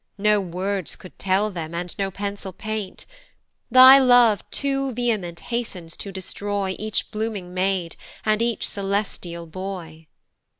No words could tell them, and no pencil paint, Thy love too vehement hastens to destroy Each blooming maid, and each celestial boy.